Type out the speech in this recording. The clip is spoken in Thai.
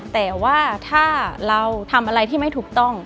แต่ว่าถ้าเราทำอะไรที่ไม่ถูกต้อง